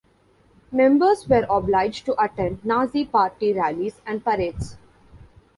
Members were obliged to attend Nazi party rallies and parades.